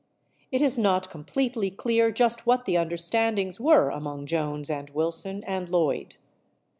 It is not completely clear just what the under standings were among Jones and Wilson and Lloyd.